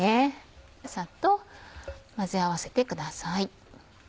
さっと混ぜ合わせてください。